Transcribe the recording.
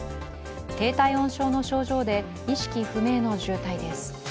低体温症の症状で意識不明の重体です。